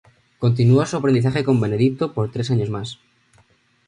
Continuo su aprendizaje con Benedito por tres años más.